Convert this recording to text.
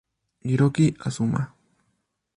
Hiroki Azuma